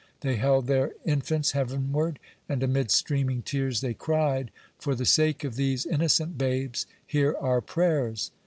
They held their infants heavenward, and amid streaming tears they cried: "For the sake of these innocent babes, hear our prayers."